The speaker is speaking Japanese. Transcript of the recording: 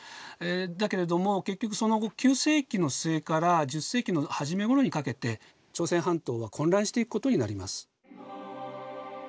だけれども結局その後９世紀の末から１０世紀の初め頃にかけて朝鮮半島は混乱していくことになります。